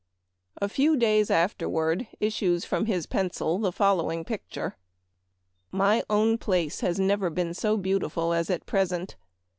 A few days afterward issues from his pencil the following picture :" My own place has never been so beautiful as at present.